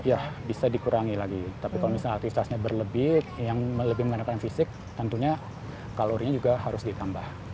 ya bisa dikurangi lagi tapi kalau misalnya aktivitasnya berlebih yang lebih menggunakan fisik tentunya kalorinya juga harus ditambah